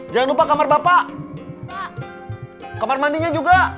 jangan lupa kamar bapak kamar mandinya juga